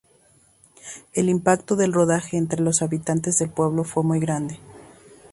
El impacto del rodaje entre los habitantes del pueblo fue muy grande.